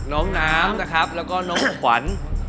น้องน้ำนะครับแล้วก็น้องขวัญ